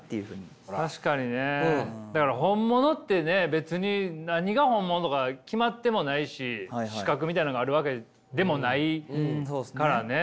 別に何が本物とか決まってもないし資格みたいなのがあるわけでもないからね。